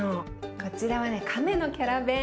こちらはね亀のキャラベン。